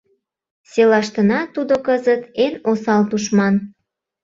— Селаштына тудо кызыт — эн осал тушман.